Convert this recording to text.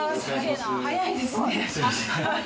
早いですね。